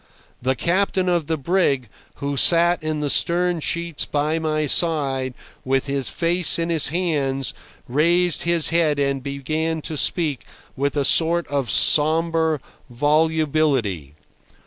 The captain of the brig, who sat in the stern sheets by my side with his face in his hands, raised his head and began to speak with a sort of sombre volubility.